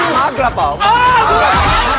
หมากระเบา